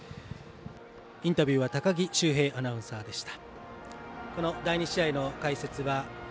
インタビューは高木修平アナウンサーでした。